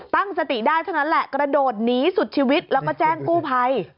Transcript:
ตั้งสติได้เท่านั้นแหละกระโดดหนีสุดชีวิตแล้วก็แจ้งกู้ภัย